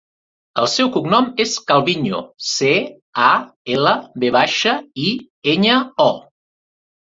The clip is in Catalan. El seu cognom és Calviño: ce, a, ela, ve baixa, i, enya, o.